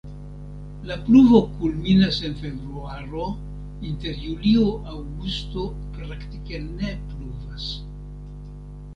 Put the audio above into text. La pluvo kulminas en februaro, inter julio-aŭgusto praktike ne pluvas.